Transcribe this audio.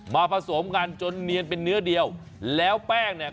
ผสมกันจนเนียนเป็นเนื้อเดียวแล้วแป้งเนี่ย